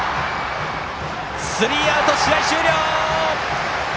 スリーアウト、試合終了！